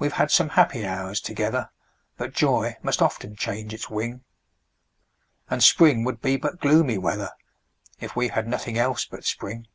We've had some happy hours together, But joy must often change its wing; And spring would be but gloomy weather, If we had nothing else but spring.